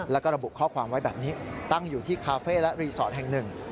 แล้วก็ระบุข้อความไว้แบบนี้ตั้งอยู่ที่คาเฟ่และรีสอร์ทแห่งหนึ่ง